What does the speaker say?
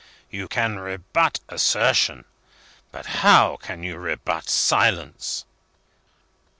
You can rebut assertion. But how can you rebut silence?"